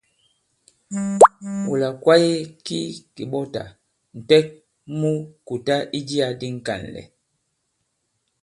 Wula kwaye ki kèɓɔtà, ǹtɛk mu kùta i jiyā di ŋ̀kànlɛ̀.